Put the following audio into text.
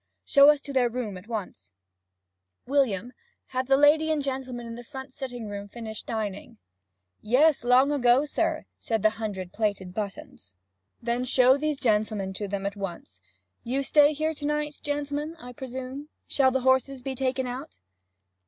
'Show us their room at once,' said the old man. 'William, have the lady and gentleman in the front sitting room finished dining?' 'Yes, sir, long ago,' said the hundred plated buttons. 'Then show up these gentlemen to them at once. You stay here to night, gentlemen, I presume? Shall the horses be taken out?'